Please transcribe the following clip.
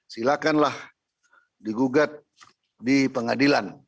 silakanlah digugat di pengadilan